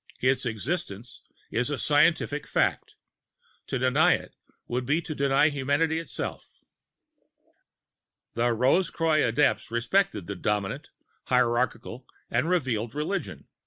Its existence is a scientific fact; to deny it, would be to deny humanity itself. The Rose Croix Adepts respected the dominant, hierarchical, and revealed religion.